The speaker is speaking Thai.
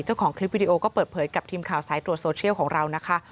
เจ้าของคลิปวิดีโอก็เปิดเผยกับทีมข่าวสายตรวจโซเชียลของเรานะคะ